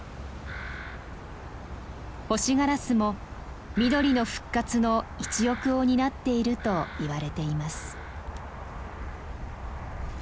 ホシガラスも緑の復活の一翼を担っていると言われています。